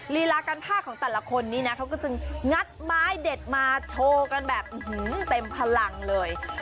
ลีลาการภาคของแต่ละคนนี้นะเขาก็จึงงัดไม้เด็ดมาโชว์กันแบบเต็มพลังเลย